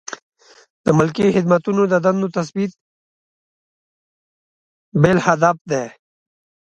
د ملکي خدمتونو د دندو تثبیت بل هدف دی.